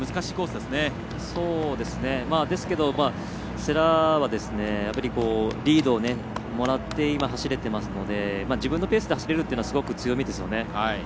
ですけど、世羅はリードをもらって今、走れていますので自分のペースで走れるのはすごく強みですね。